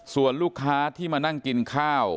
ส่วนลูกค้าที่มานั่งกินข้าว